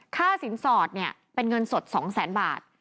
ค่าสินสอดเนี่ยเป็นเงินสด๒แสนบาท